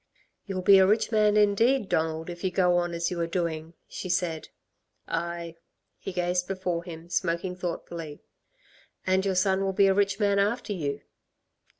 "You'll be a rich man indeed, Donald, if you go on as you are doing," she said. "Aye." He gazed before him, smoking thoughtfully. "And your son will be a rich man after you?"